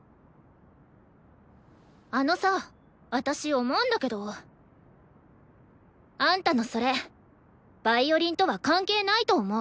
あのさ私思うんだけどあんたの父親ヴァイオリンとは関係ないと思う。